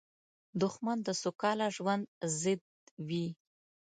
دښمن د سوکاله ژوند ضد وي